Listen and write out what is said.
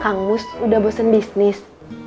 kang mus udah bosen bisnis